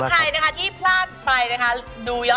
มีคนเดียว